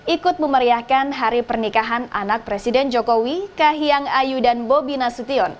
ikut memeriahkan hari pernikahan anak presiden jokowi kahiyang ayu dan bobi nasution